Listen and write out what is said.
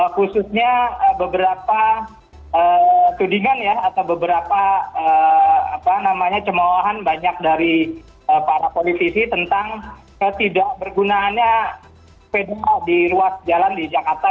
khususnya beberapa tudingan ya atau beberapa apa namanya cemawahan banyak dari para politisi tentang ketidakbergunaannya sepeda di luar jalan di jakarta